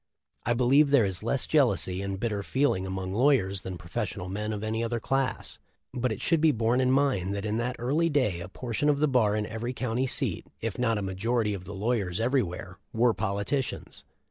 I believe there is less jealousy and bit ter feeling among lawyers than professional men of any other class ; but it should be borne in mind that in that early day a portion of the bar in every county seat, if not a majority of the lawyers every where, were politicians.